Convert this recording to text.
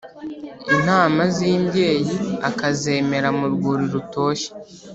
intama z’imbyeyi akazemera mu rwuri rutoshye.